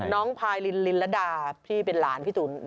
น้องพายลิ่นลาดาที่เป็นหลานพี่ถูน